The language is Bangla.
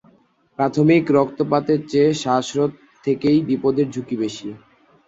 প্রাথমিকভাবে রক্তপাতের চেয়ে শ্বাসরোধ থেকেই বিপদের ঝুঁকি বেশি।